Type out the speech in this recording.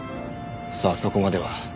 さあそこまでは。